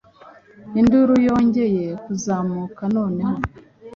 Induru yongeye kuzamuka noneho